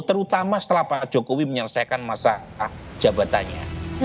terutama setelah pak jokowi menyelesaikan masa jabatannya